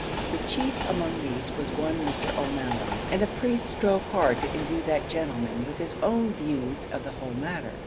The chief among these was one Mr. O'Malley, and the priest strove hard to imbue that gentleman with his own views of the whole matter.